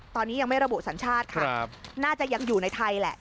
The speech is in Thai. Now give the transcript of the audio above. ตอนนี้ยังไม่ระบุสัญชาติค่ะน่าจะยังอยู่ในไทยแหละ